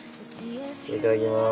いただきます。